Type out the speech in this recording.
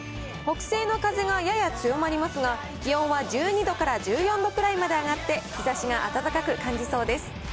北西の風がやや強まりますが、気温は１２度から１４度くらいまで上がって、日ざしが暖かく感じそうです。